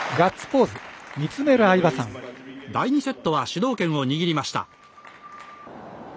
第２セットは主導権を握りました。